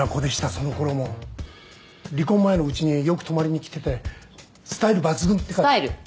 そのころも離婚前のうちによく泊まりにきててスタイル抜群ってかスタイル？